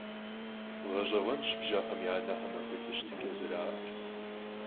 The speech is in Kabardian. Ğeş'eğuenş bjexem ya nexem apxuede şıtıç'e zera'er.